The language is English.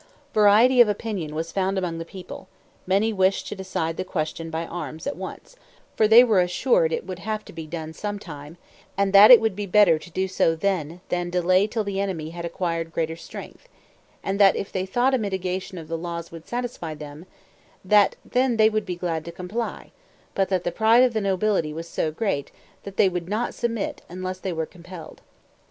Variety of opinion was found among the people; many wished to decide the question by arms at once, for they were assured it would have to be done some time, and that it would be better to do so then than delay till the enemy had acquired greater strength; and that if they thought a mitigation of the laws would satisfy them, that then they would be glad to comply, but that the pride of the nobility was so great they would not submit unless they were compelled.